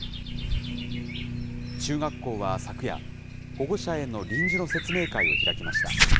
中学校は昨夜、保護者への臨時の説明会を開きました。